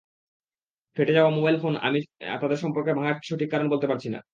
ফেটে যাওয়া মোবাইল ফোনআমি তাদের সম্পর্ক ভাঙার সঠিক কারণ বলতে পারছি না।